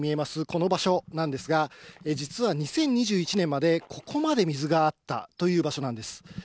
この場所なんですが、実は２０２１年まで、ここまで水があったという場所なんです。